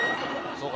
「そうか。